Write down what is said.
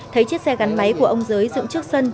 thấy chiếc xe gắn máy của ông giới dựng trước sân